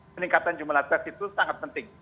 peningkatan jumlah tes itu sangat penting